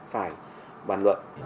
phải bàn luận